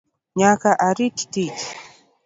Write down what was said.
Nyaka arit tich